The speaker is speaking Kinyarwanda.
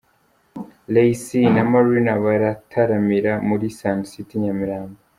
Ray C na Marina barataramira muri Sun City i Nyamirambo.